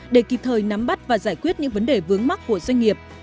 để kịp thời nắm bắt và giải quyết những vấn đề vướng mắt của doanh nghiệp